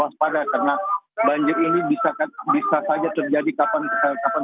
salah satu warga di kecamatan